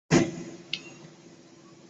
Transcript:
我女友走路上限是两小时